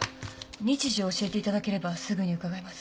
日時を教えていただければすぐに伺います。